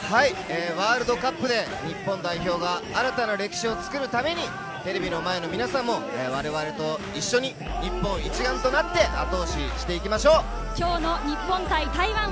ワールドカップで日本代表が新たな歴史を作るために、テレビの前の皆さんも我々と一緒に日本一丸とチリーン。